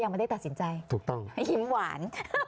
ไม่ได้ยิ้มหวาน